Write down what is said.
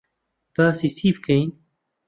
باسی چی بکەین؟